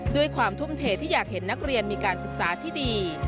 ด้วยความทุ่มเทที่อยากเห็นนักเรียนมีการศึกษาที่ดี